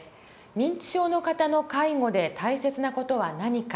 認知症の方の介護で大切な事は何か。